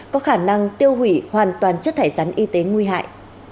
có khả năng tiêu hủy hoàn toàn chất thải rắn y tế nguy hại